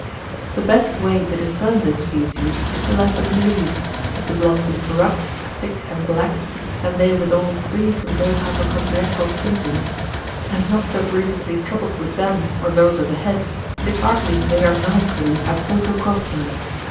The best way to discern this species, is to let them bleed, if the blood be corrupt, thick and black, and they withal free from those hypochondriacal symptoms, and not so grievously troubled with them, or those of the head, it argues they are melancholy, a toto corpore.